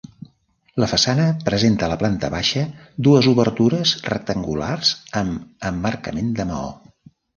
La façana presenta a la planta baixa dues obertures rectangulars amb emmarcament de maó.